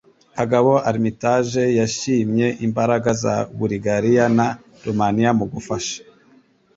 Kagabo Armitage yashimye imbaraga za Buligariya na Rumaniya mu gufasha